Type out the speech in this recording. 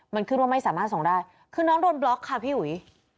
มันขึ้นว่าไม่สามารถส่งได้คือน้องโดนบล็อกค่ะพี่อุ๋ย